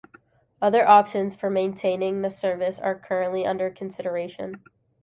Other options for maintaining the service are currently under consideration.